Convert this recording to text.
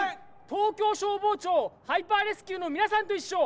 東京消防庁ハイパーレスキューのみなさんといっしょ。